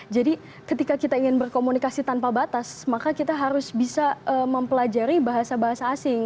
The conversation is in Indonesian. jadi ketika kita ingin berkomunikasi tanpa batas maka kita harus bisa mempelajari bahasa bahasa asing